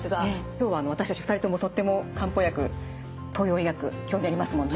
今日は私たち２人ともとっても漢方薬東洋医学興味ありますもんね。